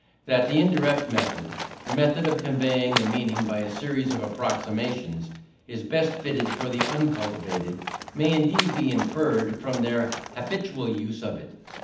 That the indirect method the method of conveying the meaning by a series of approximations is best fitted for the uncultivated, may indeed be inferred from their habitual use of it.